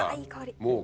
もう。